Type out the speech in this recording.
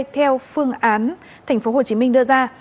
theo phương án thành phố hồ chí minh đưa ra